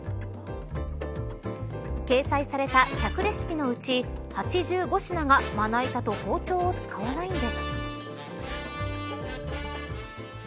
掲載された１００レシピのうち８５品がまな板と包丁を使わないんです。